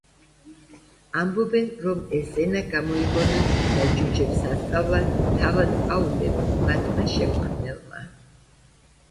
ამბობენ, რომ ეს ენა გამოიგონა და ჯუჯებს ასწავლა თავად აულემ, მათმა შემქმნელმა.